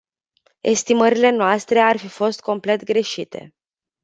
Estimările noastre ar fi fost complet greșite.